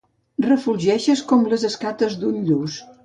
Refulgeixes com les escates d'un lluç.